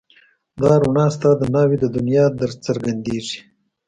دا رڼا ستا د ناوې د دنيا درڅرګنديږي